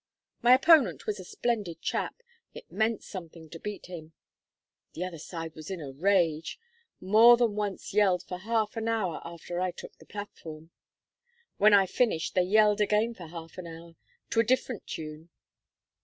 My opponent was a splendid chap. It meant something to beat him. The other side was in a rage! more than once yelled for half an hour after I took the platform. When I finished they yelled again for half an hour to a different tune."